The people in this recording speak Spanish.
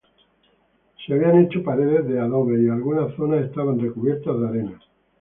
Se habían hecho paredes de adobes y algunas zonas estaban recubiertas de arena.